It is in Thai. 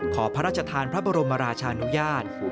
ขอพระราชทานพระบรมราชานุญาต